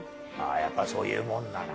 やっぱそういうもんだな。